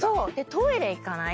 トイレ行かない。